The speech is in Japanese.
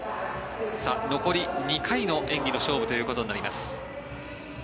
残り２回の演技の勝負ということになります。